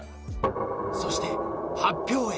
［そして発表へ］